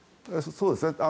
そうですね。